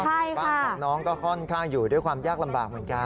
บ้านของน้องก็ค่อนข้างอยู่ด้วยความยากลำบากเหมือนกัน